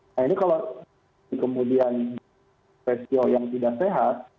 nah ini kalau kemudian rasio yang tidak sehat